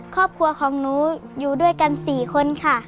ครอบครัวของหนูอยู่ด้วยกัน๔คนค่ะ